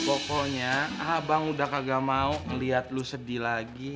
pokoknya abang udah kagak mau ngeliat lu sedih lagi